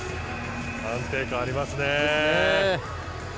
安定感ありますね。